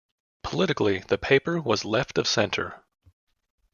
Politically the paper was left of centre.